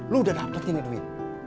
lo udah dapet ini duit